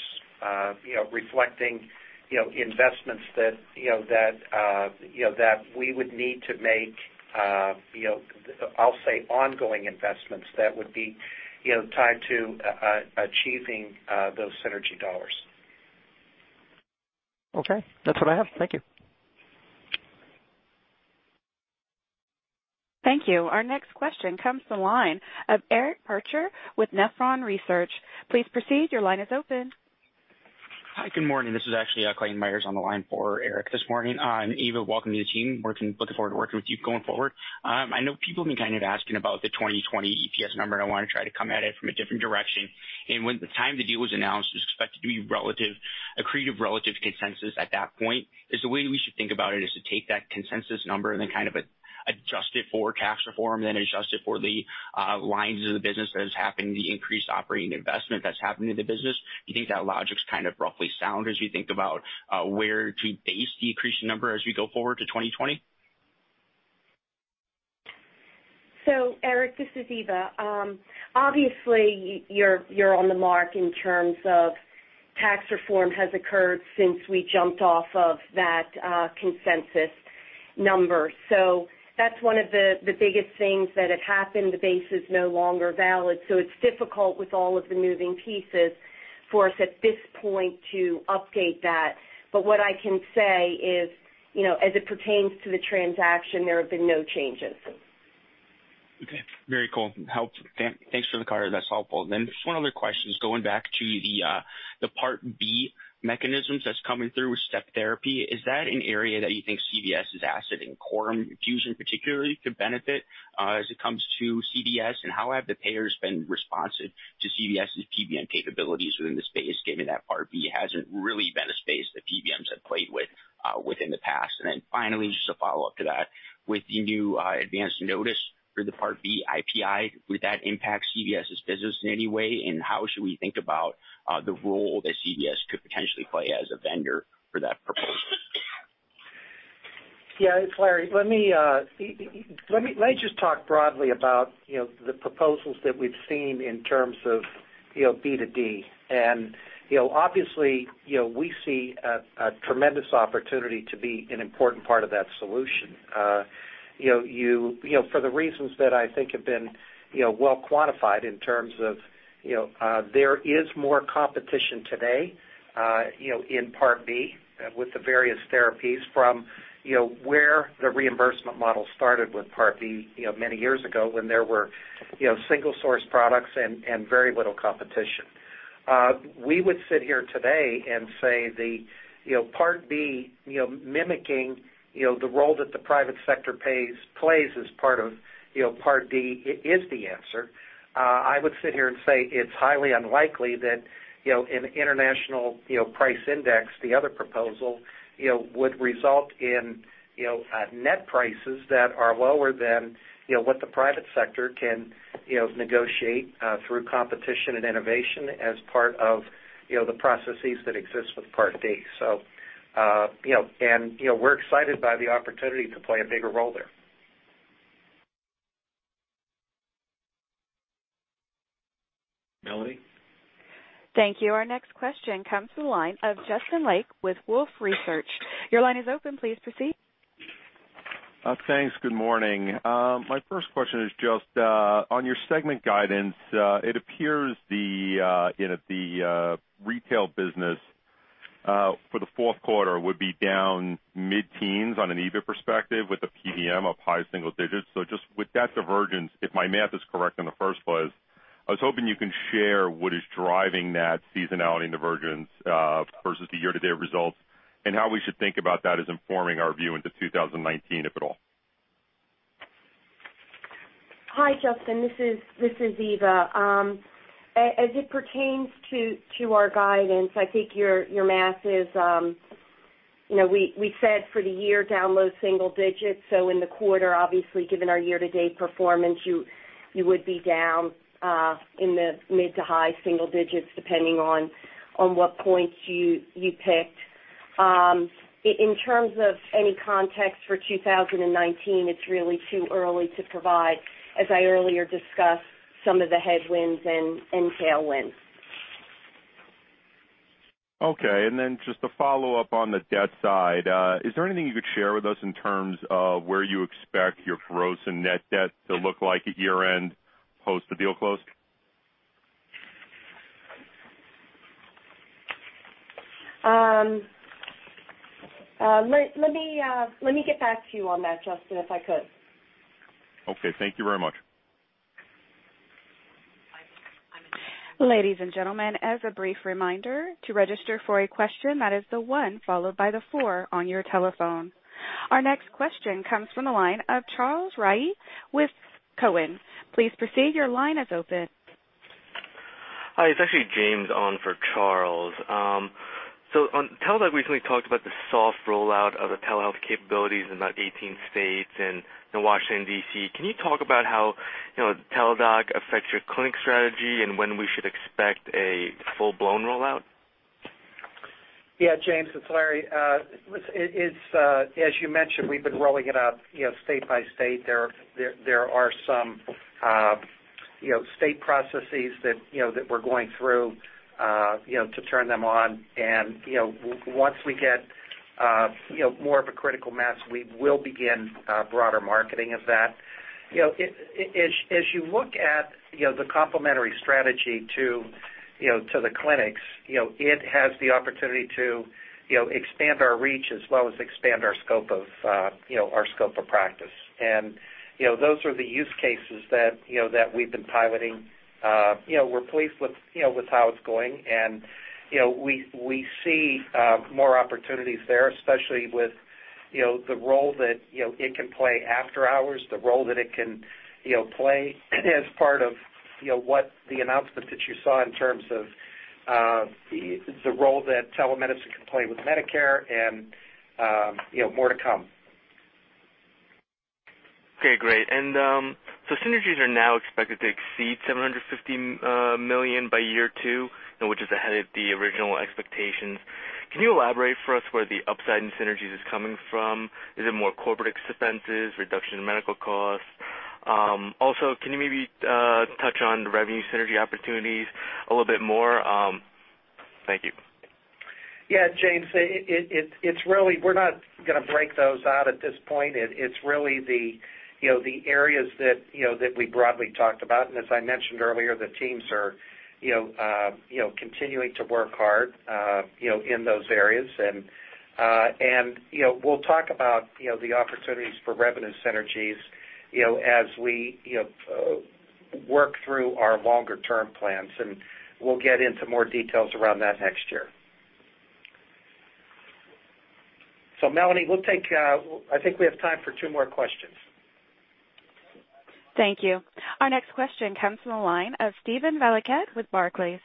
reflecting investments that we would need to make, I'll say, ongoing investments that would be tied to achieving those synergy dollars. Okay. That's what I have. Thank you. Thank you. Our next question comes from the line of Eric Percher with Nephron Research. Please proceed, your line is open. Hi. Good morning. This is actually Clayton Myers on the line for Eric this morning. Eva, welcome to the team. Looking forward to working with you going forward. I know people have been kind of asking about the 2020 EPS number, and I want to try to come at it from a different direction. When the time the deal was announced, it was expected to be accretive relative consensus at that point. Is the way we should think about it is to take that consensus number and then kind of adjust it for tax reform, then adjust it for the lines of the business that is having the increased operating investment that's happening in the business? Do you think that logic's kind of roughly sound as you think about where to base the accretion number as we go forward to 2020? Eric, this is Eva. Obviously, you're on the mark in terms of tax reform has occurred since we jumped off of that consensus number. That's one of the biggest things that have happened. The base is no longer valid, it's difficult with all of the moving pieces for us at this point to update that. What I can say is, as it pertains to the transaction, there have been no changes. Okay. Very cool. Thanks for the clarity. That's helpful. Just one other question, is going back to the Part D mechanisms that's coming through with step therapy. Is that an area that you think CVS's asset and Coram infusion particularly could benefit as it comes to CVS, and how have the payers been responsive to CVS's PBM capabilities within the space, given that Part D hasn't really been a space that PBMs have played with within the past? Finally, just a follow-up to that, with the new advanced notice for the Part D IPI, would that impact CVS's business in any way? How should we think about the role that CVS could potentially play as a vendor for that proposal? It's Larry. Let me just talk broadly about the proposals that we've seen in terms of B to D. Obviously, we see a tremendous opportunity to be an important part of that solution. For the reasons that I think have been well-quantified in terms of, there is more competition today in Part D with the various therapies from where the reimbursement model started with Part D many years ago when there were single-source products and very little competition. We would sit here today and say Part D mimicking the role that the private sector plays as part of Part D is the answer. I would sit here and say it's highly unlikely that an International Pricing Index, the other proposal, would result in net prices that are lower than what the private sector can negotiate, through competition and innovation as part of the processes that exist with Part D. We're excited by the opportunity to play a bigger role there. Melanie? Thank you. Our next question comes from the line of Justin Lake with Wolfe Research. Your line is open. Please proceed. Thanks. Good morning. My first question is just, on your segment guidance, it appears the retail business, for the fourth quarter, would be down mid-teens on an EBIT perspective with a PBM up high single digits. With that divergence, if my math is correct in the first place, I was hoping you can share what is driving that seasonality divergence versus the year-to-date results, and how we should think about that as informing our view into 2019, if at all. Hi, Justin, this is Eva. As it pertains to our guidance, I think your math. We said for the year, down low single digits. In the quarter, obviously, given our year-to-date performance, you would be down in the mid to high single digits, depending on what points you picked. In terms of any context for 2019, it's really too early to provide, as I earlier discussed, some of the headwinds and tailwinds. Okay. Just to follow up on the debt side, is there anything you could share with us in terms of where you expect your gross and net debt to look like at year-end post the deal close? Let me get back to you on that, Justin, if I could. Okay. Thank you very much. Ladies and gentlemen, as a brief reminder, to register for a question, that is the one followed by the four on your telephone. Our next question comes from the line of Charles Rhyee with Cowen. Please proceed. Your line is open. Hi, it's actually James on for Charles. On Teladoc, we recently talked about the soft rollout of the telehealth capabilities in about 18 states and in Washington, D.C. Can you talk about how Teladoc affects your clinic strategy and when we should expect a full-blown rollout? Yeah, James, it's Larry. As you mentioned, we've been rolling it out state by state. There are some state processes that we're going through to turn them on. Once we get more of a critical mass, we will begin broader marketing of that. As you look at the complementary strategy to the clinics, it has the opportunity to expand our reach, as well as expand our scope of practice. Those are the use cases that we've been piloting. We're pleased with how it's going, and we see more opportunities there, especially with the role that it can play after hours, the role that it can play as part of what the announcement that you saw in terms of the role that telemedicine can play with Medicare and more to come. Okay, great. Synergies are now expected to exceed $750 million by year two, which is ahead of the original expectations. Can you elaborate for us where the upside in synergies is coming from? Is it more corporate expenses, reduction in medical costs? Can you maybe touch on the revenue synergy opportunities a little bit more? Thank you. Yeah, James, we're not going to break those out at this point. It's really the areas that we broadly talked about, and as I mentioned earlier, the teams are continuing to work hard in those areas. We'll talk about the opportunities for revenue synergies as we work through our longer-term plans. We'll get into more details around that next year. Melanie, I think we have time for two more questions. Thank you. Our next question comes from the line of Steven Valiquette with Barclays.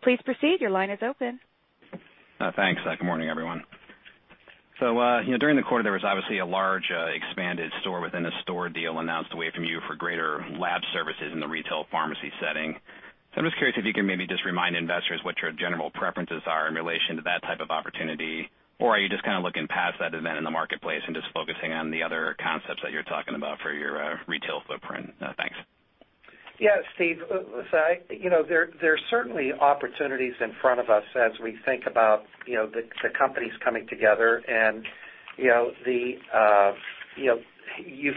Please proceed. Your line is open. Thanks. Good morning, everyone. During the quarter, there was obviously a large expanded store within a store deal announced away from you for greater lab services in the retail pharmacy setting. I'm just curious if you can maybe just remind investors what your general preferences are in relation to that type of opportunity, or are you just kind of looking past that event in the marketplace and just focusing on the other concepts that you're talking about for your retail footprint? Thanks. Yeah, Steven, there are certainly opportunities in front of us as we think about the companies coming together and you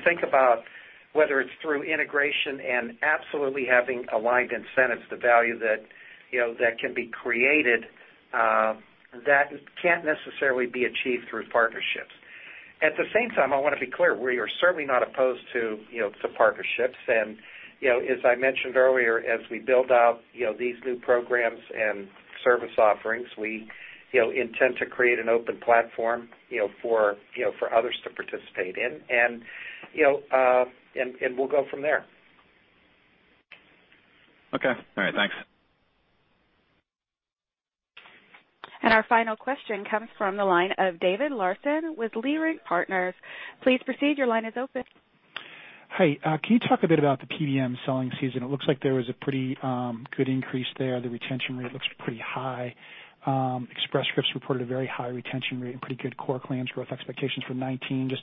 think about whether it's through integration and absolutely having aligned incentives, the value that can be created, that can't necessarily be achieved through partnerships. At the same time, I want to be clear, we are certainly not opposed to partnerships, and as I mentioned earlier, as we build out these new programs and service offerings, we intend to create an open platform for others to participate in, and we'll go from there. Okay. All right. Thanks. Our final question comes from the line of David Larsen with Leerink Partners. Please proceed, your line is open. Hi. Can you talk a bit about the PBM selling season? It looks like there was a pretty good increase there. The retention rate looks pretty high. Express Scripts reported a very high retention rate and pretty good core claims growth expectations for 2019.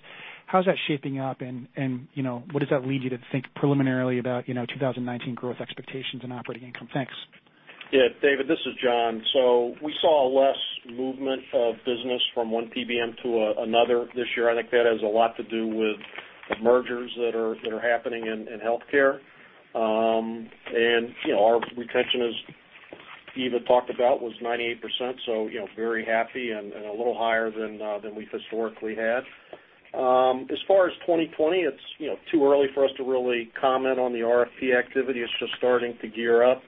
How's that shaping up, and what does that lead you to think preliminarily about 2019 growth expectations and operating income? Thanks. Yeah. David, this is John. We saw less movement of business from one PBM to another this year. I think that has a lot to do with the mergers that are happening in healthcare. Our retention, as Eva talked about, was 98%. Very happy and a little higher than we've historically had. As far as 2020, it's too early for us to really comment on the RFP activity. It's just starting to gear up.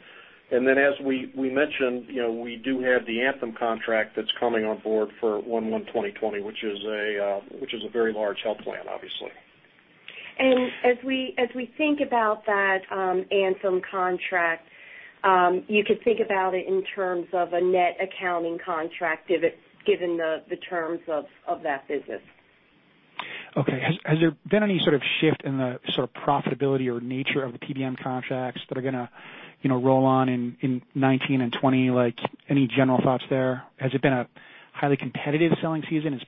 As we mentioned, we do have the Anthem contract that's coming on board for 01/01/2020, which is a very large health plan, obviously. As we think about that Anthem contract, you could think about it in terms of a net accounting contract, given the terms of that business. Okay. Has there been any sort of shift in the profitability or nature of the PBM contracts that are going to roll on in 2019 and 2020? Any general thoughts there? Has it been a highly competitive selling season?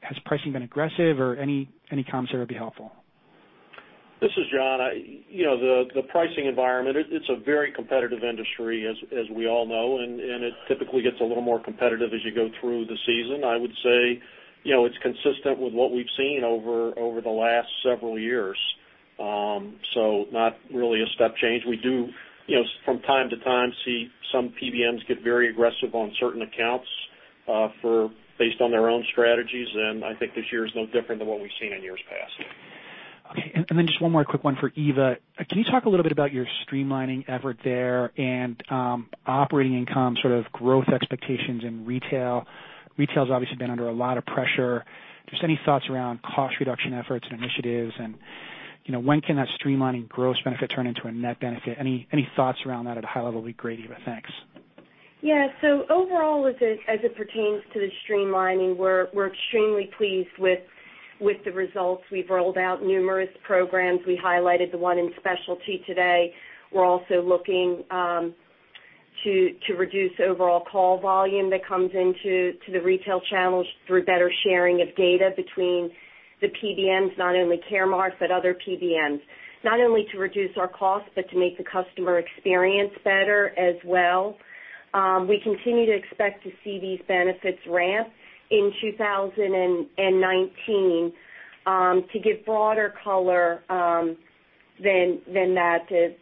Has pricing been aggressive? Any comments there would be helpful. This is John. The pricing environment, it's a very competitive industry, as we all know, and it typically gets a little more competitive as you go through the season. I would say, it's consistent with what we've seen over the last several years. Not really a step change. We do, from time to time, see some PBMs get very aggressive on certain accounts, based on their own strategies, and I think this year is no different than what we've seen in years past. Okay. Just one more quick one for Eva. Can you talk a little bit about your streamlining effort there and operating income growth expectations in retail? Retail's obviously been under a lot of pressure. Just any thoughts around cost reduction efforts and initiatives, and when can that streamlining gross benefit turn into a net benefit? Any thoughts around that at a high level would be great, Eva. Thanks. Yeah. Overall, as it pertains to the streamlining, we're extremely pleased with the results. We've rolled out numerous programs. We highlighted the one in specialty today. We're also looking to reduce overall call volume that comes into the retail channels through better sharing of data between the PBMs, not only Caremark, but other PBMs, not only to reduce our cost, but to make the customer experience better as well. We continue to expect to see these benefits ramp in 2019. To give broader color than that,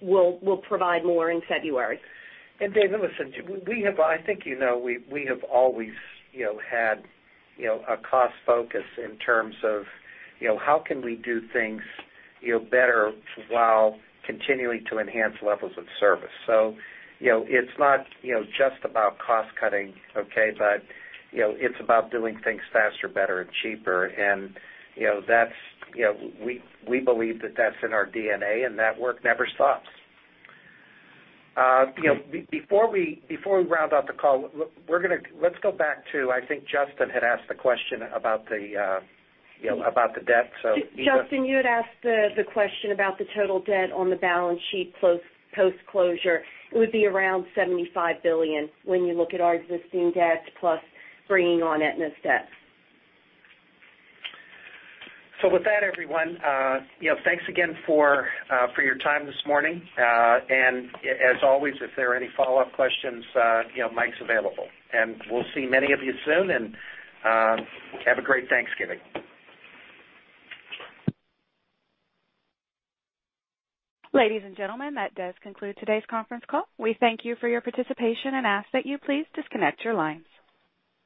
we'll provide more in February. David, listen, I think you know, we have always had a cost focus in terms of how can we do things better while continuing to enhance levels of service. It's not just about cost cutting, okay? It's about doing things faster, better, and cheaper, and we believe that that's in our DNA, and that work never stops. Before we round out the call, let's go back to, I think Justin had asked the question about the debt, Eva? Justin, you had asked the question about the total debt on the balance sheet post-closure. It would be around $75 billion when you look at our existing debt plus bringing on Aetna's debt. With that, everyone, thanks again for your time this morning. As always, if there are any follow-up questions, Mike's available. We'll see many of you soon, and have a great Thanksgiving. Ladies and gentlemen, that does conclude today's conference call. We thank you for your participation and ask that you please disconnect your lines.